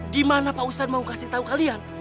gimana pak ustadz mau kasih tahu kalian